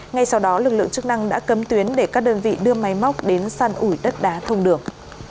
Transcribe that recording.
ngay sau đó lực lượng chức năng đã cấm tuyến để các đơn vị đưa máy móc đến săn ủi đất đá thông đường